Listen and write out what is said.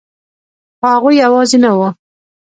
خو هغه یوازې نه وه